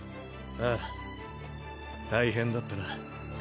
あぁ大変だったな。